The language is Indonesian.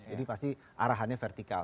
jadi pasti arahannya vertikal